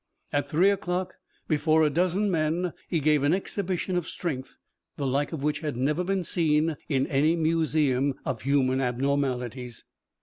At three o'clock, before a dozen men, he gave an exhibition of strength the like of which had never been seen in any museum of human abnormalities.